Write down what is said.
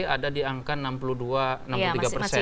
ada di angka enam puluh dua enam puluh tiga persen